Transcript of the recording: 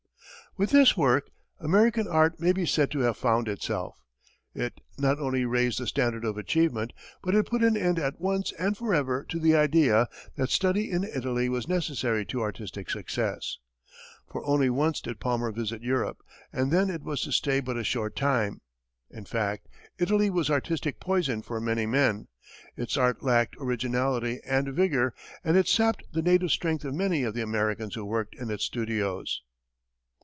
With this work, American art may be said to have found itself. It not only raised the standard of achievement, but it put an end at once and forever to the idea that study in Italy was necessary to artistic success. For only once did Palmer visit Europe, and then it was to stay but a short time. In fact, Italy was artistic poison for many men; its art lacked originality and vigor, and it sapped the native strength of many of the Americans who worked in its studios.